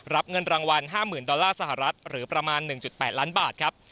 เงินรางวัล๕๐๐๐ดอลลาร์สหรัฐหรือประมาณ๑๘ล้านบาทครับ